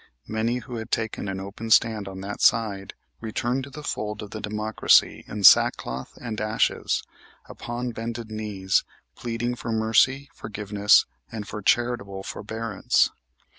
Many who had taken an open stand on that side returned to the fold of the Democracy in sackcloth and ashes, upon bended knees, pleading for mercy, forgiveness and for charitable forbearance.